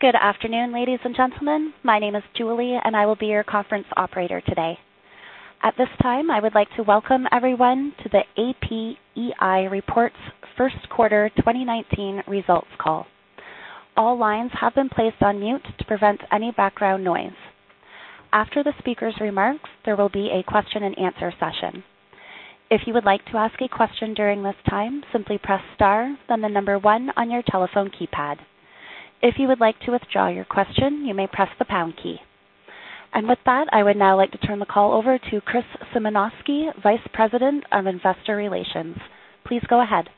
Good afternoon, ladies and gentlemen. My name is Julie, and I will be your conference operator today. At this time, I would like to welcome everyone to the APEI Reports First Quarter 2019 Results call. All lines have been placed on mute to prevent any background noise. After the speaker's remarks, there will be a question and answer session. If you would like to ask a question during this time, simply press star, then the number 1 on your telephone keypad. If you would like to withdraw your question, you may press the pound key. With that, I would now like to turn the call over to Chris Symanoskie, Vice President of Investor Relations. Please go ahead.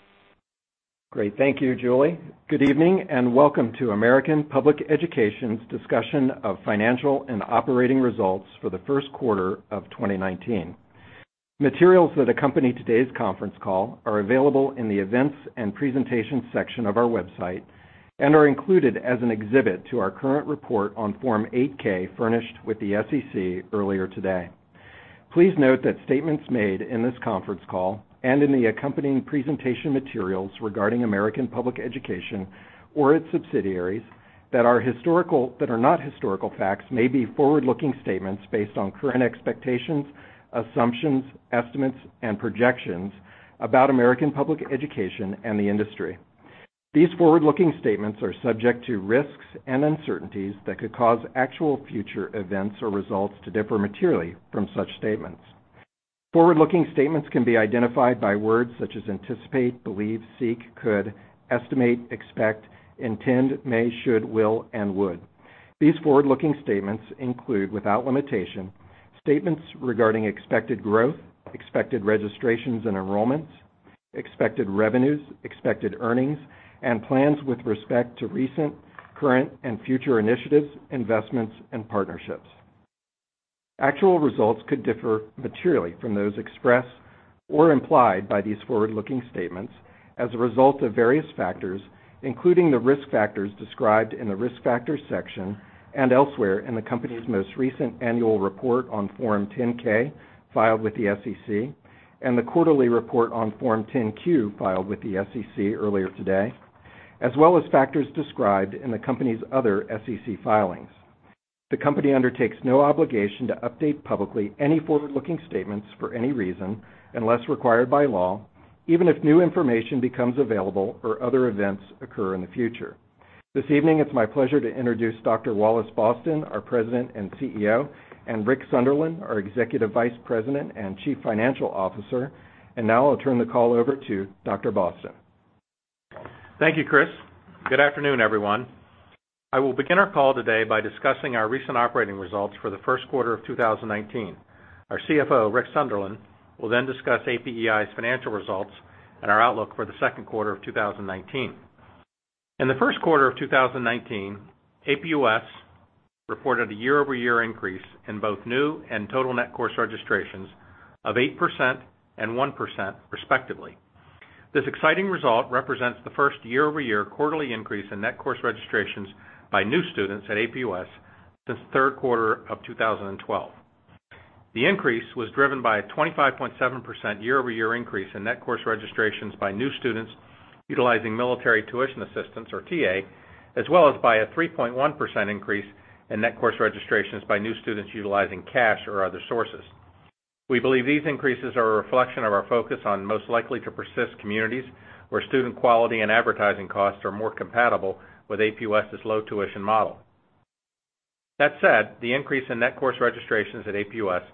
Great. Thank you, Julie. Good evening, welcome to American Public Education's discussion of financial and operating results for the first quarter of 2019. Materials that accompany today's conference call are available in the events and presentations section of our website and are included as an exhibit to our current report on Form 8-K furnished with the SEC earlier today. Please note that statements made in this conference call and in the accompanying presentation materials regarding American Public Education or its subsidiaries that are not historical facts may be forward-looking statements based on current expectations, assumptions, estimates, and projections about American Public Education and the industry. These forward-looking statements are subject to risks and uncertainties that could cause actual future events or results to differ materially from such statements. Forward-looking statements can be identified by words such as anticipate, believe, seek, could, estimate, expect, intend, may, should, will, and would. These forward-looking statements include, without limitation, statements regarding expected growth, expected registrations and enrollments, expected revenues, expected earnings, and plans with respect to recent, current, and future initiatives, investments, and partnerships. Actual results could differ materially from those expressed or implied by these forward-looking statements as a result of various factors, including the risk factors described in the Risk Factors section and elsewhere in the company's most recent annual report on Form 10-K, filed with the SEC, and the quarterly report on Form 10-Q, filed with the SEC earlier today, as well as factors described in the company's other SEC filings. The company undertakes no obligation to update publicly any forward-looking statements for any reason unless required by law, even if new information becomes available or other events occur in the future. This evening, it's my pleasure to introduce Dr. Wallace Boston, our President and CEO, Rick Sunderland, our Executive Vice President and Chief Financial Officer, now I'll turn the call over to Dr. Boston. Thank you, Chris. Good afternoon, everyone. I will begin our call today by discussing our recent operating results for the first quarter of 2019. Our CFO, Rick Sunderland, will then discuss APEI's financial results and our outlook for the second quarter of 2019. In the first quarter of 2019, APUS reported a year-over-year increase in both new and total net course registrations of 8% and 1% respectively. This exciting result represents the first year-over-year quarterly increase in net course registrations by new students at APUS since the third quarter of 2012. The increase was driven by a 25.7% year-over-year increase in net course registrations by new students utilizing Military Tuition Assistance, or TA, as well as by a 3.1% increase in net course registrations by new students utilizing cash or other sources. We believe these increases are a reflection of our focus on most likely to persist communities where student quality and advertising costs are more compatible with APUS's low tuition model. That said, the increase in net course registrations at APUS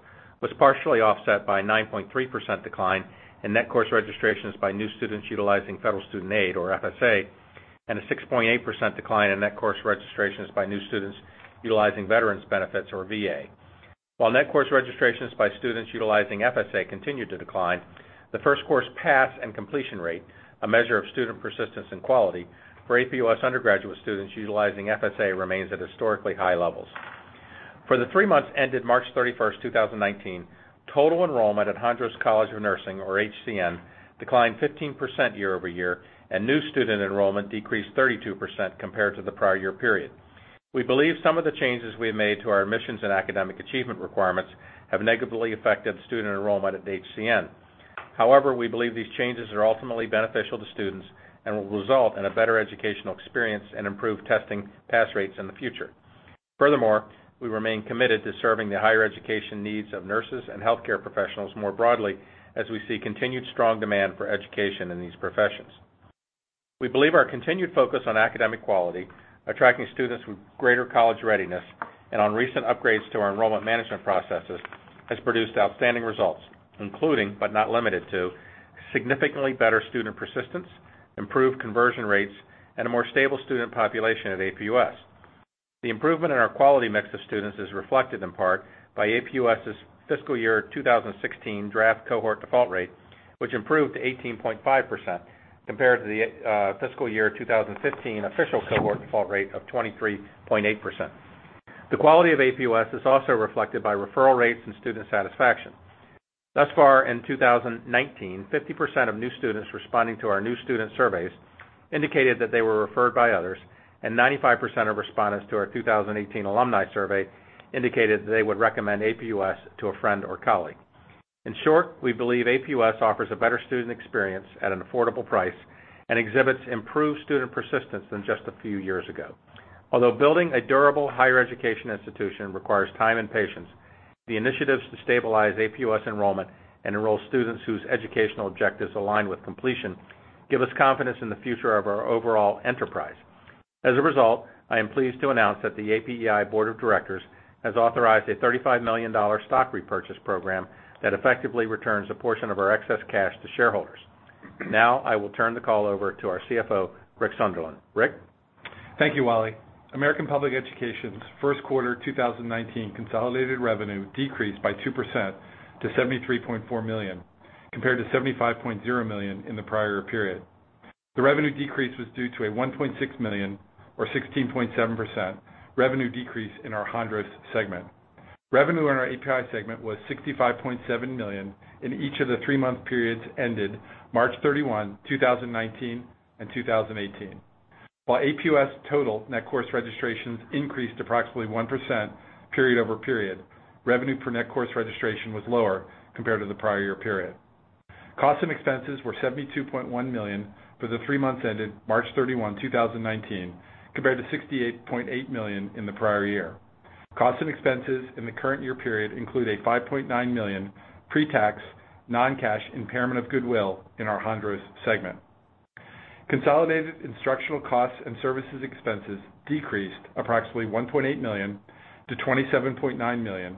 was partially offset by a 9.3% decline in net course registrations by new students utilizing Federal Student Aid, or FSA, and a 6.8% decline in net course registrations by new students utilizing Veterans Benefits, or VA. While net course registrations by students utilizing FSA continued to decline, the first course pass and completion rate, a measure of student persistence and quality for APUS undergraduate students utilizing FSA remains at historically high levels. For the three months ended March 31st, 2019, total enrollment at Hondros College of Nursing, or HCN, declined 15% year-over-year, and new student enrollment decreased 32% compared to the prior year period. We believe some of the changes we have made to our admissions and academic achievement requirements have negatively affected student enrollment at HCN. However, we believe these changes are ultimately beneficial to students and will result in a better educational experience and improved testing pass rates in the future. Furthermore, we remain committed to serving the higher education needs of nurses and healthcare professionals more broadly as we see continued strong demand for education in these professions. We believe our continued focus on academic quality, attracting students with greater college readiness, and on recent upgrades to our enrollment management processes has produced outstanding results, including but not limited to significantly better student persistence, improved conversion rates, and a more stable student population at APUS. The improvement in our quality mix of students is reflected in part by APUS's fiscal year 2016 draft cohort default rate, which improved to 18.5% compared to the fiscal year 2015 official cohort default rate of 23.8%. The quality of APUS is also reflected by referral rates and student satisfaction. Thus far in 2019, 50% of new students responding to our new student surveys indicated that they were referred by others, and 95% of respondents to our 2018 alumni survey indicated that they would recommend APUS to a friend or colleague. In short, we believe APUS offers a better student experience at an affordable price and exhibits improved student persistence than just a few years ago. Although building a durable higher education institution requires time and patience, the initiatives to stabilize APUS enrollment and enroll students whose educational objectives align with completion give us confidence in the future of our overall enterprise. As a result, I am pleased to announce that the APEI Board of Directors has authorized a $35 million stock repurchase program that effectively returns a portion of our excess cash to shareholders. Now, I will turn the call over to our CFO, Rick Sunderland. Rick? Thank you, Wally. American Public Education's first quarter 2019 consolidated revenue decreased by 2% to $73.4 million, compared to $75.0 million in the prior period. The revenue decrease was due to a $1.6 million, or 16.7% revenue decrease in our Hondros segment. Revenue in our APEI segment was $65.7 million in each of the three-month periods ended March 31, 2019 and 2018. While APUS total net course registrations increased approximately 1% period-over-period, revenue per net course registration was lower compared to the prior year period. Costs and expenses were $72.1 million for the three months ended March 31, 2019, compared to $68.8 million in the prior year. Costs and expenses in the current year period include a $5.9 million pretax non-cash impairment of goodwill in our Hondros segment. Consolidated instructional costs and services expenses decreased approximately $1.8 million to $27.9 million,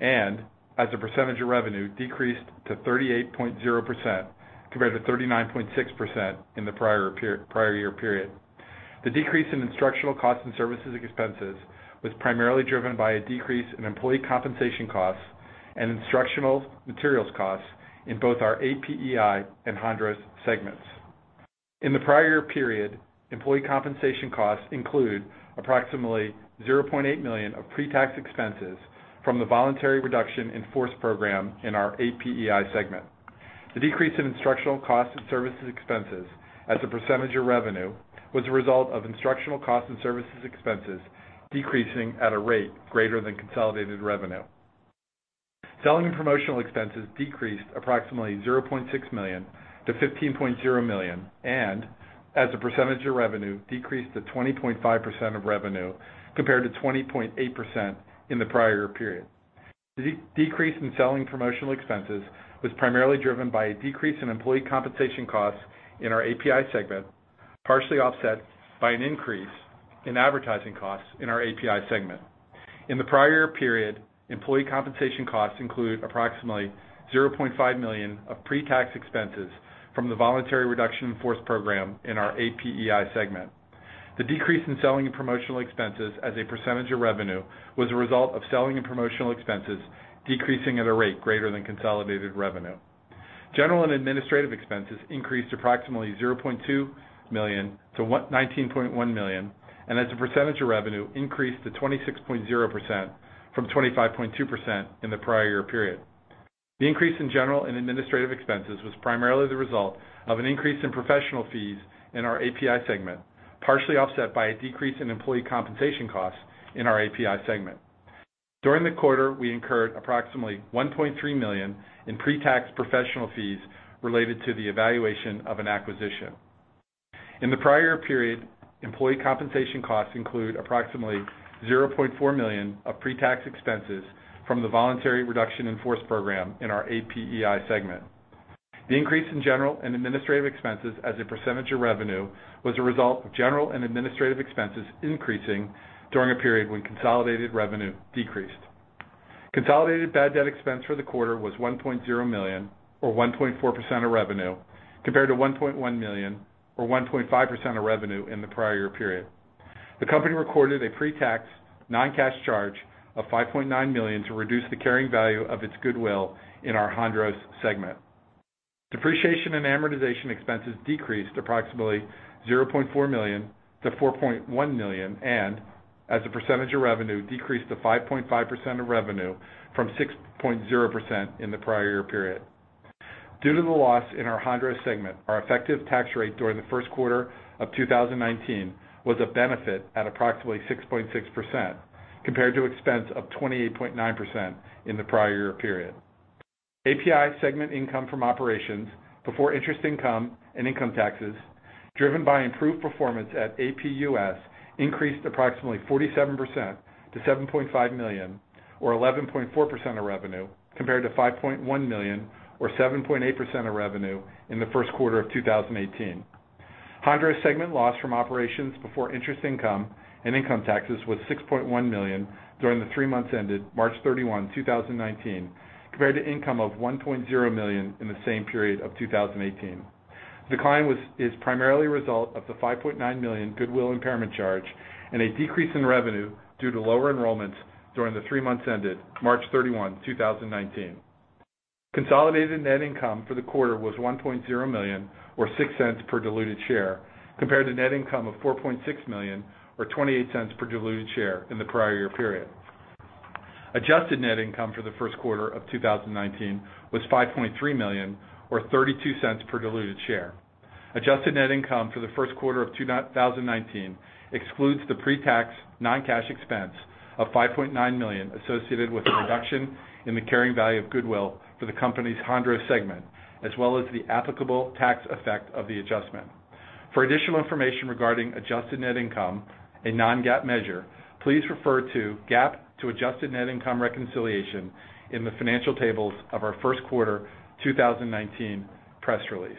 and as a percentage of revenue, decreased to 38.0% compared to 39.6% in the prior year period. The decrease in instructional costs and services expenses was primarily driven by a decrease in employee compensation costs and instructional materials costs in both our APEI and Hondros segments. In the prior period, employee compensation costs include approximately $0.8 million of pretax expenses from the voluntary reduction in force program in our APEI segment. The decrease in instructional costs and services expenses as a percentage of revenue was a result of instructional cost and services expenses decreasing at a rate greater than consolidated revenue. Selling and promotional expenses decreased approximately $0.6 million to $15.0 million, and as a percentage of revenue, decreased to 20.5% of revenue compared to 20.8% in the prior period. The decrease in selling promotional expenses was primarily driven by a decrease in employee compensation costs in our APEI segment, partially offset by an increase in advertising costs in our APEI segment. In the prior period, employee compensation costs include approximately $0.5 million of pretax expenses from the voluntary reduction in force program in our APEI segment. The decrease in selling and promotional expenses as a percentage of revenue was a result of selling and promotional expenses decreasing at a rate greater than consolidated revenue. General and administrative expenses increased approximately $0.2 million to $19.1 million, and as a percentage of revenue, increased to 26.0% from 25.2% in the prior year period. The increase in general and administrative expenses was primarily the result of an increase in professional fees in our APEI segment, partially offset by a decrease in employee compensation costs in our APEI segment. During the quarter, we incurred approximately $1.3 million in pretax professional fees related to the evaluation of an acquisition. In the prior period, employee compensation costs include approximately $0.4 million of pretax expenses from the voluntary reduction in force program in our APEI segment. The increase in general and administrative expenses as a percentage of revenue was a result of general and administrative expenses increasing during a period when consolidated revenue decreased. Consolidated bad debt expense for the quarter was $1.0 million, or 1.4% of revenue, compared to $1.1 million or 1.5% of revenue in the prior year period. The company recorded a pretax non-cash charge of $5.9 million to reduce the carrying value of its goodwill in our Hondros segment. Depreciation and amortization expenses decreased approximately $0.4 million to $4.1 million, and as a percentage of revenue, decreased to 5.5% of revenue from 6.0% in the prior year period. Due to the loss in our Hondros segment, our effective tax rate during the first quarter of 2019 was a benefit at approximately 6.6%, compared to expense of 28.9% in the prior year period. APEI segment income from operations before interest income and income taxes, driven by improved performance at APUS, increased approximately 47% to $7.5 million, or 11.4% of revenue, compared to $5.1 million, or 7.8% of revenue in the first quarter of 2018. Hondros segment loss from operations before interest income and income taxes was $6.1 million during the three months ended March 31, 2019, compared to income of $1.0 million in the same period of 2018. The decline is primarily a result of the $5.9 million goodwill impairment charge and a decrease in revenue due to lower enrollments during the three months ended March 31, 2019. Consolidated net income for the quarter was $1.0 million, or $0.06 per diluted share, compared to net income of $4.6 million, or $0.28 per diluted share in the prior year period. Adjusted net income for the first quarter of 2019 was $5.3 million, or $0.32 per diluted share. Adjusted net income for the first quarter of 2019 excludes the pre-tax non-cash expense of $5.9 million associated with the reduction in the carrying value of goodwill for the company's Hondros segment, as well as the applicable tax effect of the adjustment. For additional information regarding adjusted net income, a non-GAAP measure, please refer to GAAP to adjusted net income reconciliation in the financial tables of our first quarter 2019 press release.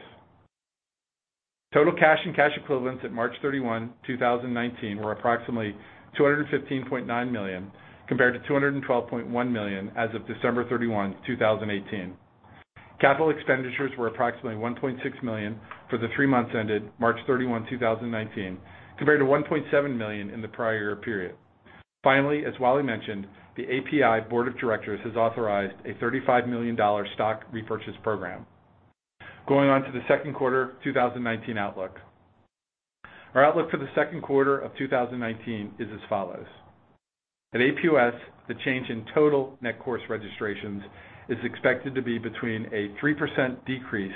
Total cash and cash equivalents at March 31, 2019, were approximately $215.9 million, compared to $212.1 million as of December 31, 2018. Capital expenditures were approximately $1.6 million for the three months ended March 31, 2019, compared to $1.7 million in the prior period. Finally, as Wally mentioned, the APEI board of directors has authorized a $35 million stock repurchase program. Going on to the second quarter 2019 outlook. Our outlook for the second quarter of 2019 is as follows. At APUS, the change in total net course registrations is expected to be between a 3% decrease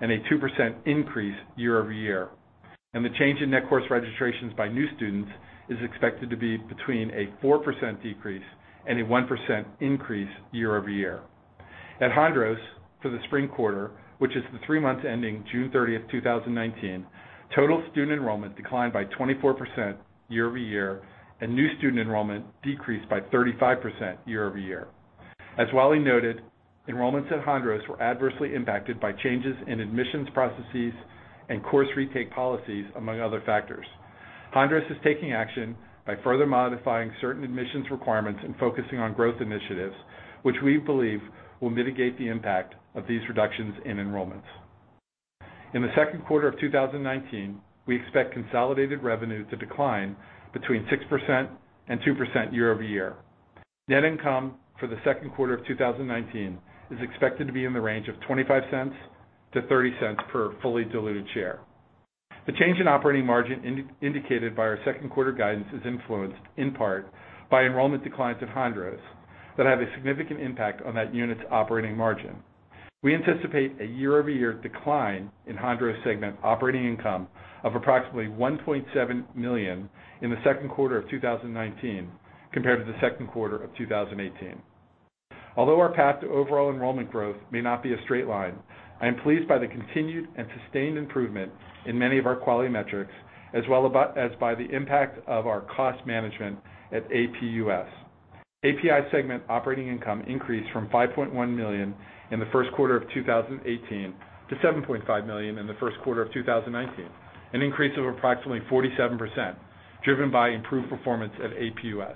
and a 2% increase year-over-year, and the change in net course registrations by new students is expected to be between a 4% decrease and a 1% increase year-over-year. At Hondros, for the spring quarter, which is the three months ending June 30, 2019, total student enrollment declined by 24% year-over-year, and new student enrollment decreased by 35% year-over-year. As Wally noted, enrollments at Hondros were adversely impacted by changes in admissions processes and course retake policies, among other factors. Hondros is taking action by further modifying certain admissions requirements and focusing on growth initiatives, which we believe will mitigate the impact of these reductions in enrollments. In the second quarter of 2019, we expect consolidated revenue to decline between 6% and 2% year-over-year. Net income for the second quarter of 2019 is expected to be in the range of $0.25-$0.30 per fully diluted share. The change in operating margin indicated by our second quarter guidance is influenced in part by enrollment declines at Hondros that have a significant impact on that unit's operating margin. We anticipate a year-over-year decline in Hondros segment operating income of approximately $1.7 million in the second quarter of 2019 compared to the second quarter of 2018. Although our path to overall enrollment growth may not be a straight line, I am pleased by the continued and sustained improvement in many of our quality metrics, as well as by the impact of our cost management at APUS. APEI segment operating income increased from $5.1 million in the first quarter of 2018 to $7.5 million in the first quarter of 2019, an increase of approximately 47%, driven by improved performance at APUS.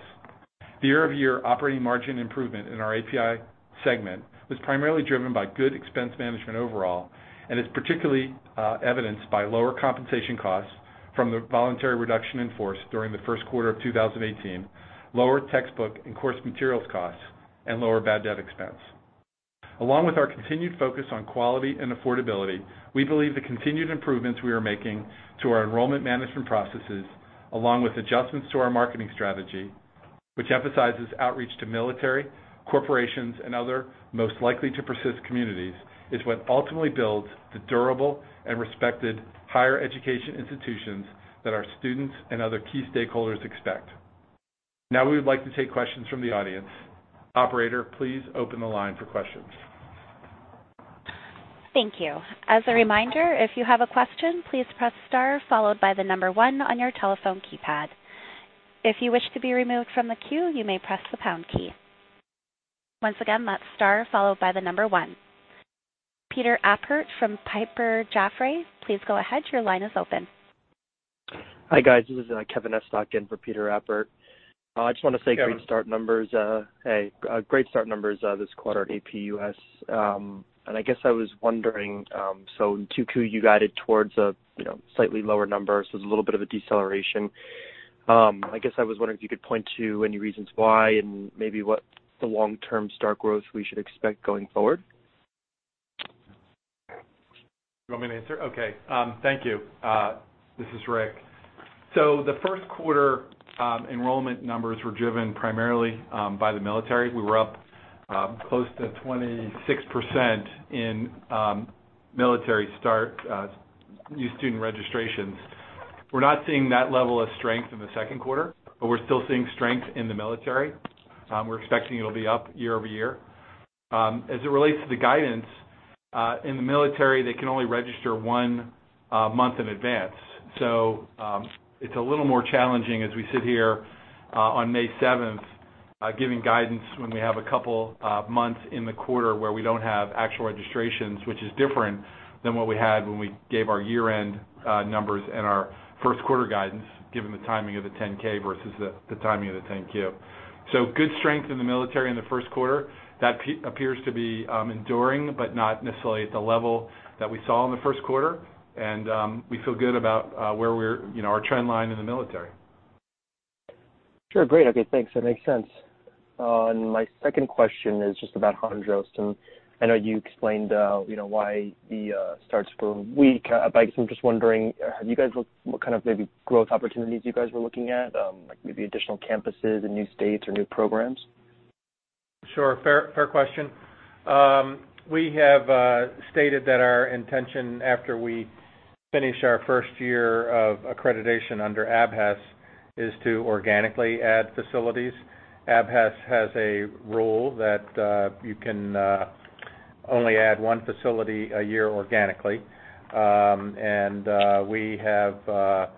The year-over-year operating margin improvement in our APEI segment was primarily driven by good expense management overall, and is particularly evidenced by lower compensation costs from the voluntary reduction in force during the first quarter of 2018, lower textbook and course materials costs, and lower bad debt expense. Along with our continued focus on quality and affordability, we believe the continued improvements we are making to our enrollment management processes, along with adjustments to our marketing strategy, which emphasizes outreach to military, corporations, and other most likely to persist communities, is what ultimately builds the durable and respected higher education institutions that our students and other key stakeholders expect. We would like to take questions from the audience. Operator, please open the line for questions. Thank you. As a reminder, if you have a question, please press star followed by the number one on your telephone keypad. If you wish to be removed from the queue, you may press the pound key. Once again, that's star followed by the number one. Peter Appert from Piper Jaffray. Please go ahead. Your line is open. Hi, guys. This is Kevin Estok in for Peter Appert. Yeah. Great start numbers. Hey, great start numbers this quarter at APUS. I guess I was wondering, so in 2Q, you guided towards a slightly lower number, so there's a little bit of a deceleration. I guess I was wondering if you could point to any reasons why and maybe what the long-term start growth we should expect going forward. You want me to answer? Okay. Thank you. This is Rick. The first quarter enrollment numbers were driven primarily by the military. We were up close to 26% in military start new student registrations. We're not seeing that level of strength in the second quarter, but we're still seeing strength in the military. We're expecting it'll be up year-over-year. As it relates to the guidance, in the military, they can only register one month in advance. It's a little more challenging as we sit here on May 7th giving guidance when we have a couple of months in the quarter where we don't have actual registrations, which is different than what we had when we gave our year-end numbers and our first quarter guidance, given the timing of the 10-K versus the timing of the 10-Q. Good strength in the military in the first quarter. That appears to be enduring, but not necessarily at the level that we saw in the first quarter, and we feel good about our trend line in the military. Sure. Great. Okay, thanks. That makes sense. My second question is just about Hondros. I know you explained why the starts were weak. I guess I'm just wondering, what kind of maybe growth opportunities you guys were looking at, like maybe additional campuses in new states or new programs? Sure. Fair question. We have stated that our intention after we finish our first year of accreditation under ABHES is to organically add facilities. ABHES has a rule that you can only add one facility a year organically. We have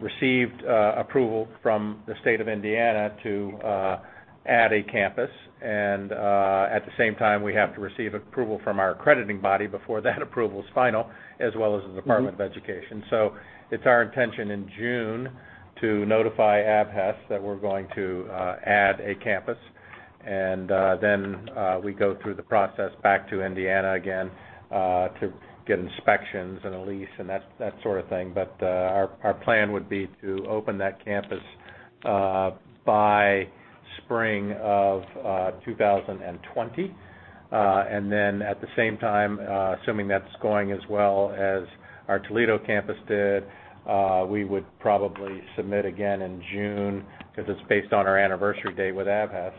received approval from the state of Indiana to add a campus. At the same time, we have to receive approval from our accrediting body before that approval is final, as well as the Department of Education. It's our intention in June to notify ABHES that we're going to add a campus. We go through the process back to Indiana again, to get inspections and a lease and that sort of thing. Our plan would be to open that campus by spring of 2020. At the same time, assuming that's going as well as our Toledo campus did, we would probably submit again in June, because it's based on our anniversary date with ABHES,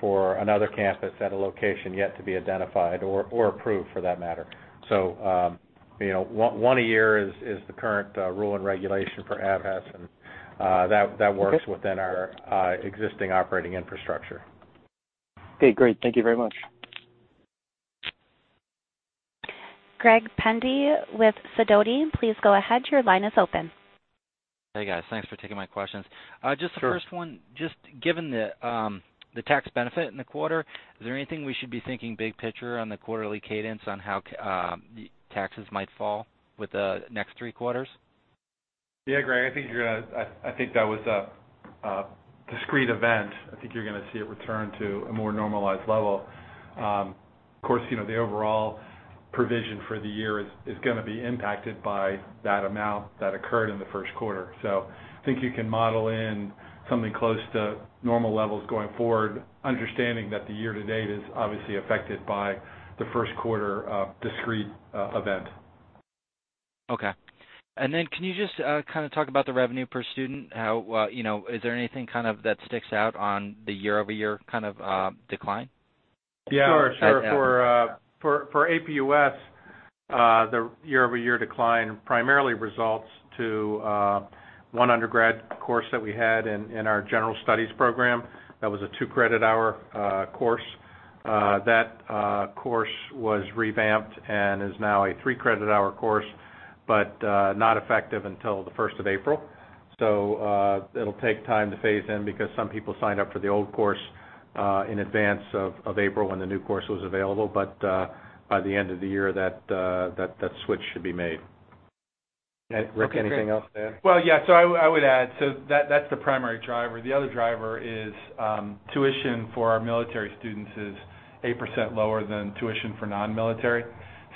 for another campus at a location yet to be identified or approved for that matter. One a year is the current rule and regulation for ABHES, and that works within our existing operating infrastructure. Okay, great. Thank you very much. Greg Pendy with Sidoti, please go ahead. Your line is open. Hey, guys. Thanks for taking my questions. Sure. Just the first one, just given the tax benefit in the quarter, is there anything we should be thinking big picture on the quarterly cadence on how the taxes might fall with the next three quarters? Yeah, Greg, I think that was a discrete event. I think you're going to see it return to a more normalized level. Of course, the overall provision for the year is going to be impacted by that amount that occurred in the first quarter. I think you can model in something close to normal levels going forward, understanding that the year-to-date is obviously affected by the first quarter discrete event. Okay. Can you just talk about the revenue per student? Is there anything that sticks out on the year-over-year decline? Yeah, sure. For APUS, the year-over-year decline primarily results to one undergrad course that we had in our general studies program that was a two credit hour course. That course was revamped and is now a three credit hour course, not effective until the 1st of April. It'll take time to phase in because some people signed up for the old course, in advance of April when the new course was available. By the end of the year, that switch should be made. Rick, anything else to add? Well, yeah. I would add, so that's the primary driver. The other driver is tuition for our military students is 8% lower than tuition for non-military.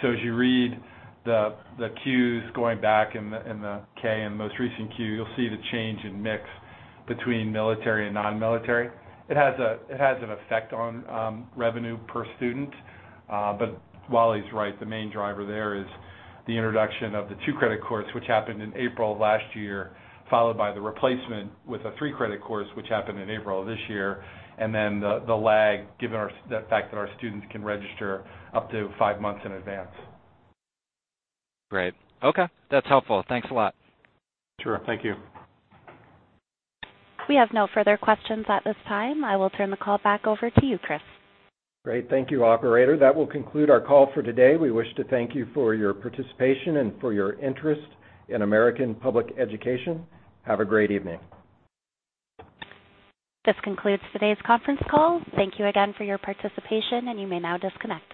As you read the Qs going back in the K and most recent Q, you'll see the change in mix between military and non-military. It has an effect on revenue per student. Wally's right, the main driver there is the introduction of the two credit course, which happened in April of last year, followed by the replacement with a three credit course, which happened in April of this year. The lag, given the fact that our students can register up to five months in advance. Great. Okay. That's helpful. Thanks a lot. Sure. Thank you. We have no further questions at this time. I will turn the call back over to you, Chris. Great. Thank you, operator. That will conclude our call for today. We wish to thank you for your participation and for your interest in American Public Education. Have a great evening. This concludes today's conference call. Thank you again for your participation, and you may now disconnect.